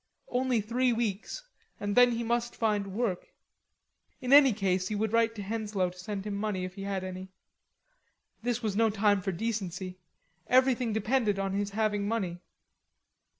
Only three weeks; and then he must find work. In any case he would write Henslowe to send him money if he had any; this was no time for delicacy; everything depended on his having money.